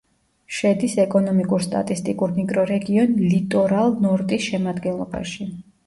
შედის ეკონომიკურ-სტატისტიკურ მიკრორეგიონ ლიტორალ-ნორტის შემადგენლობაში.